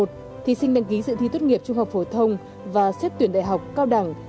một thí sinh đăng ký dự thi tốt nghiệp trung học phổ thông và xét tuyển đại học cao đẳng